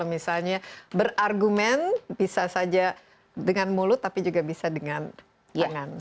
misalnya berargumen bisa saja dengan mulut tapi juga bisa dengan tangan